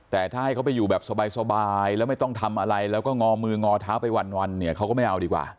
แต่ถ้าให้เขาไปอยู่แบบสบายแล้วไม่ต้องทำอะไรแล้วก็งอมืองอเท้าไปวันเนี่ยเขาก็ไม่เอาดีกว่า